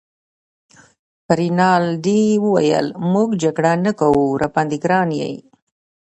رینالډي وویل: موږ جګړه نه کوو، راباندي ګران يې.